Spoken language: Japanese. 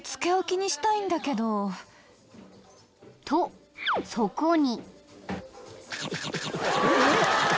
［とそこに］